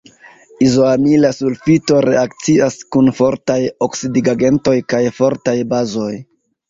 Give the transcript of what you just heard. Izoamila sulfito reakcias kun fortaj oksidigagentoj kaj fortaj bazoj.